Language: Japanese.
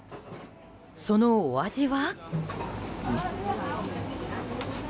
そのお味は？